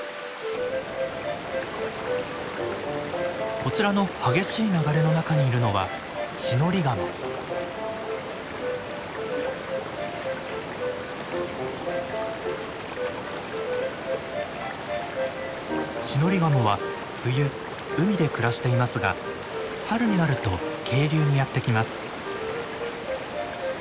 こちらの激しい流れの中にいるのはシノリガモは冬海で暮らしていますが春になると渓流にやって来ます。